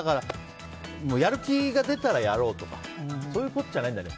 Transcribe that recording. やる気が出たらやろうとかそういうことじゃないんだね。